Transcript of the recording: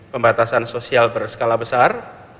pembatasan sosial berskala besar